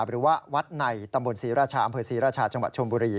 หรือว่าวัดในตำบลศรีราชาอำเภอศรีราชาจังหวัดชมบุรี